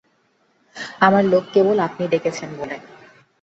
আমার লোভ কেবল আপনি ডেকেছেন বলে।